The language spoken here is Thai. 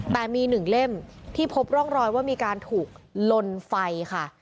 แต่มี๑เล่มที่พบร่องรอยว่ามีการถูกลนไฟค่ะ